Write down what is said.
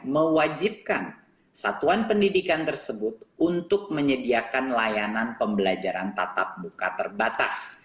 mewajibkan satuan pendidikan tersebut untuk menyediakan layanan pembelajaran tatap muka terbatas